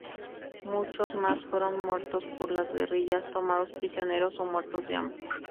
Muchos más fueron muertos por las guerrillas, tomados prisioneros o muertos de hambre.